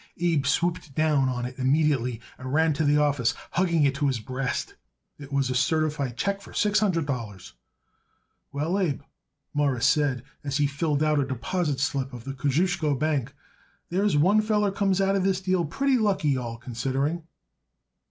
Abe swooped down on it immediately and ran to the office, hugging it to his breast. It was a certified check for six hundred dollars. "Well, Abe," Morris said as he filled out a deposit slip of the Kosciusko Bank, "there's one feller comes out of this deal pretty lucky, all considering."